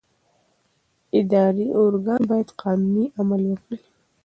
اداري ارګان باید قانوني عمل وکړي.